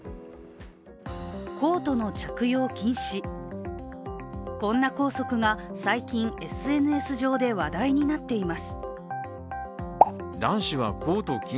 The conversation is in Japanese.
コートの着用禁止、こんな校則が最近、ＳＮＳ上で話題になっています。